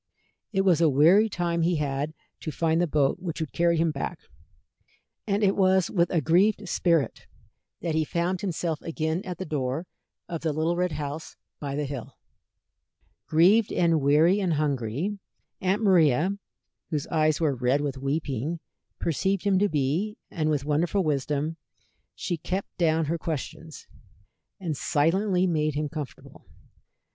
It was a weary time he had to find the boat which would carry him back, and it was with a grieved spirit that he found himself again at the door of the little red house by the hill. Grieved and weary and hungry, Aunt Maria, whose eyes were red with weeping, perceived him to be, and with wonderful wisdom she kept down her questions, and silently made him comfortable.